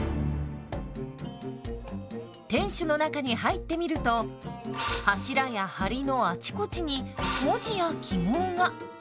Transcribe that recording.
天守の中に入ってみると柱や梁のあちこちに文字や記号が。